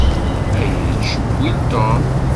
Aya yettcewwil Tom.